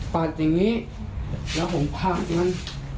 ปลาดอย่างนี้แล้วผมกลากมัน